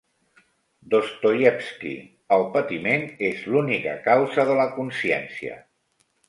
Dostoievski: el patiment és l'única causa de la consciència.